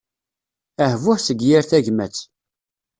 Ahbuh seg yir tagmat.